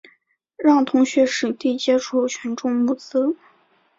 让同学实地接触群众募资